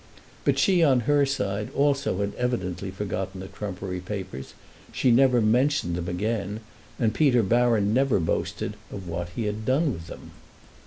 But she, on her side, also had evidently forgotten the trumpery papers: she never mentioned them again, and Peter Baron never boasted of what he had done with them.